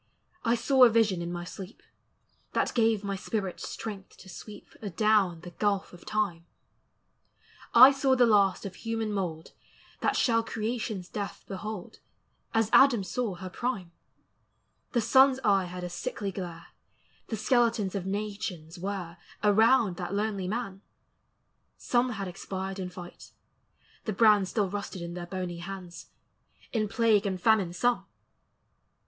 I saw a vision in my sleep, That gave my spirit strength to sweep • Adown the gulf of time ! I saw the last of human mould That shall creation's death behold, As Adam saw her prime! DEATH: IMMORTALITY:, HEAVEN. 361 The sun's eye had a sickly glare, The skeletons of nations were Around thai lonely man! Some had expired in fight, — the brands Still rusted in (heir bony hands, In plague and famine some!